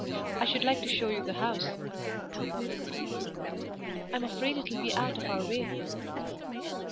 I should like to show you the house." "I'm afraid it will be out of our way."